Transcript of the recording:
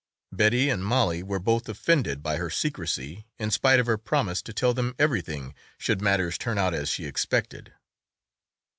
Betty and Mollie were both offended by her secrecy in spite of her promise to tell them everything should matters turn out as she expected.